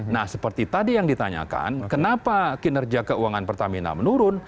nah seperti tadi yang ditanyakan kenapa kinerja keuangan pertamina menurun